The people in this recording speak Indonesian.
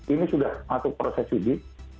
ini sudah masuk proses uji